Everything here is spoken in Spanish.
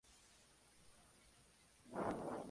Todas las etapas fueron ganadas por corredores extranjeros.